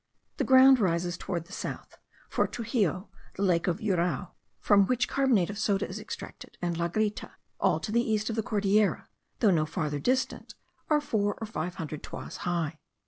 The ground rises towards the south; for Truxillo, the lake of Urao, from which carbonate of soda is extracted, and La Grita, all to the east of the Cordillera, though no farther distant, are four or five hundred toises high.